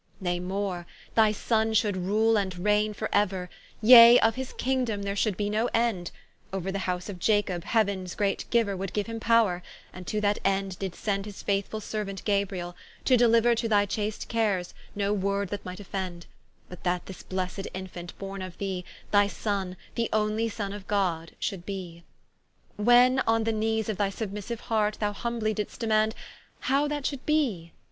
Nay more, thy Sonne should Rule and Raigne for euer; Yea, of his Kingdom there should be no end; Ouer the house of Iacob, Heauens great Giuer Would giue him powre, and to that end did send His faithfull seruant Gabriel to deliuer To thy chast cares no word that might offend: But that this blessed Infant borne of thee, Thy Sonne, The onely Sonne of God should be. When on the knees of thy submissiue heart Thou humbly didst demand, How that should be?